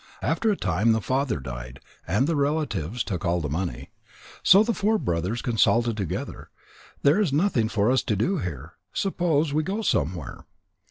After a time the father died, and the relatives took all the money. So the four brothers consulted together: "There is nothing for us to do here. Suppose we go somewhere."